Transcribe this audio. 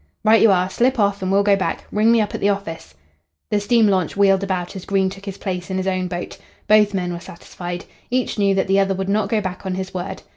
"Right you are. Slip off and we'll go back. Ring me up at the office." The steam launch wheeled about as Green took his place in his own boat. Both men were satisfied. Each knew that the other would not go back on his word.